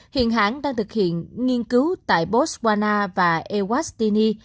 hiện hãng đang thực hiện nghiên cứu tại botswana và airwasti